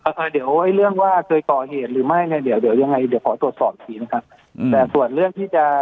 เนี่ยพอตรวจสอบถึง